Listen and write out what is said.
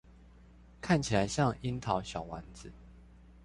看起來像櫻桃小丸子